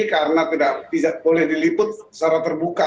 karena tidak boleh diliput secara terbuka